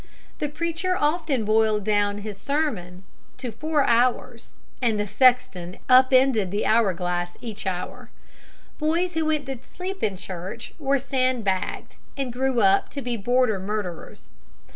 The preacher often boiled his sermon down to four hours, and the sexton up ended the hourglass each hour. Boys who went to sleep in church were sand bagged, and grew up to be border murderers.